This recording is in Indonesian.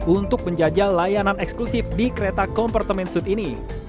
untuk menjajal layanan eksklusif di kereta kompartemen suit ini